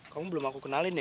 kamu belum aku kenalin ya